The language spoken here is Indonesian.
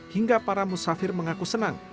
hingga para musafir mengaku senang